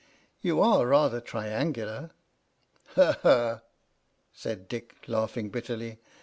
"You are rather triangular." "Ha! ha!" said Dick, laughing bitterly.